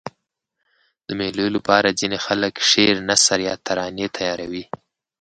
د مېلو له پاره ځيني خلک شعر، نثر یا ترانې تیاروي.